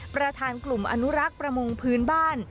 ประธานกลุ่มอนุรักษ์ประมงพื้นบ้าน